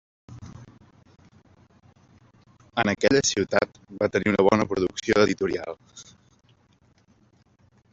En aquella ciutat va tenir una bona producció editorial.